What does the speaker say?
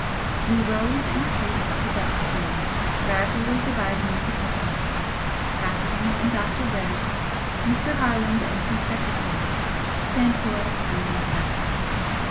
We rose and paced the deck slowly, gradually dividing in couples, Catherine and Dr. Brayle Mr. Harland and his secretary, Santoris and myself.